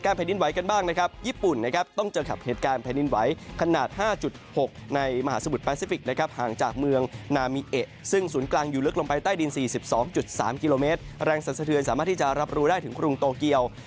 แรงสัดสะเทือนสามารถที่จะรับรู้ได้ถึงกรุงโตเกียว